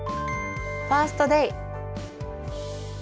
「ファースト・デイ」。